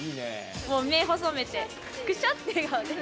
目、細めて、くしゃって笑顔で。